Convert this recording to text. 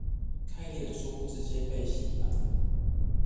開臉書直接被洗版